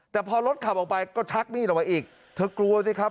แต่พอรถขับออกไปก็ชักมีดออกมาอีกเธอกลัวสิครับ